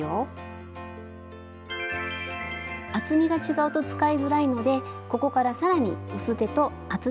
スタジオ厚みが違うと使いづらいのでここから更に薄手と厚手に分けます。